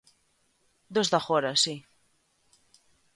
Dos de agora, si.